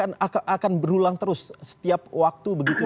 ini akan berulang terus setiap waktu begitu